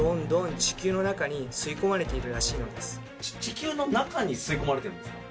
ち地球の中に吸いこまれてるんですか？